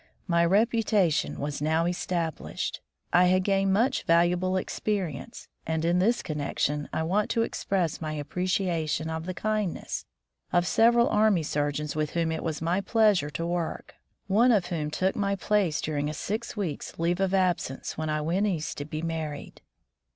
My reputation was now established. I had 121 From the Deep Woods to CivUtzatton gained much valuable experience, and in this connection I want to express my appre ciation of the kindness of several army sur geons with whom it was my pleasure to work, one of whom took my place during a six weeks' leave of absence, when I went east to be married.